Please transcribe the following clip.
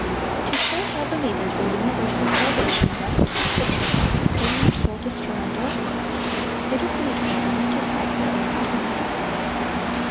To show how believers in universal salvation wrest the Scriptures to sustain their soul destroying dogmas, it is needful only to cite their own utterances.